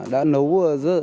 đã nấu dơ